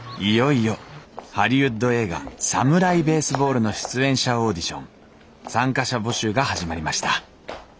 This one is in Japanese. いよいよハリウッド映画「サムライ・ベースボール」の出演者オーディション参加者募集が始まりました。